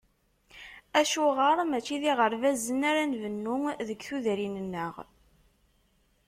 Acuɣer mačči d iɣerbazen ara nbennu deg tudrin-nneɣ?